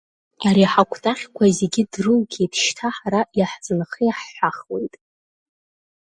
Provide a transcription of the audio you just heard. Ари ҳакәтаӷьқәа зегьы дрылгеит, шьҭа ҳара иаҳзынхеи ҳҳәахуеит.